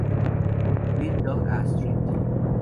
Blind Dog at St.